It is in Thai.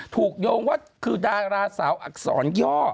โยงว่าคือดาราสาวอักษรย่อ